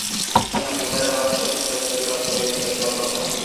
En la primera noche, recibió la primera impresión rosa.